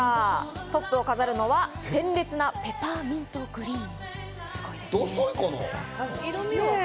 トップを飾るのは鮮烈なペパーミントグリーン。